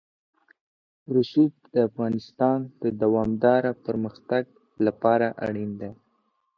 رسوب د افغانستان د دوامداره پرمختګ لپاره اړین دي.